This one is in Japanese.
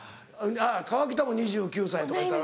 河北も２９歳とかやったな。